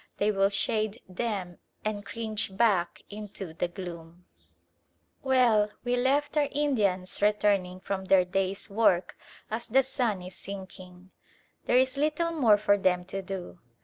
They will shade them and cringe back into the gloom. Well, on p. 324 we left our Indians returning from their day's work as the sun is sinking. There is little more for them to do.